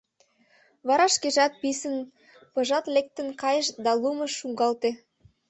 Вара шкежат писын пыжалт лектын кайыш да лумыш шуҥгалте.